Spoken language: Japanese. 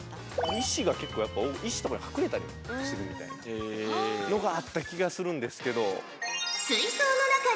石が結構石とかに隠れたりするみたいなのがあった気がするんですけど。